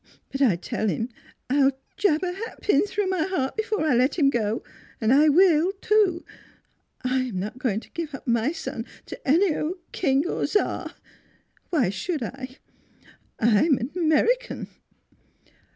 " But I tell him I'll jab a hatpin through my heart before I let him go. And I will, too! I'm not going to give up my son to any old King or Czar; why should I? I'm an American."